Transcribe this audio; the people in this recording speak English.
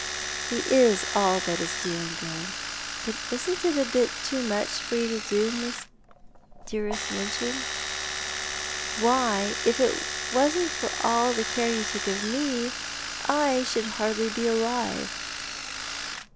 " He is all that is dear and good, but it isn't a bit too much to do for you, dearest ]\Iinchin. Why, if it wasn't for all the care yon toolv of me, I should hardly be alive."